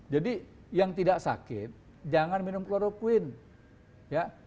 jadi yang tidak sakit jangan minum kloroquine